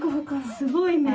すごいね。